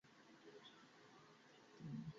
আমি তাকে এখানেই রেখে গেলাম!